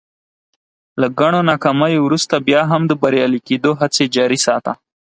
له ګڼو ناکاميو ورورسته بيا هم د بريالي کېدو هڅې جاري ساته.